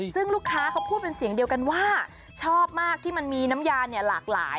ซึ่งลูกค้าเขาพูดเป็นเสียงเดียวกันว่าชอบมากที่มันมีน้ำยาเนี่ยหลากหลาย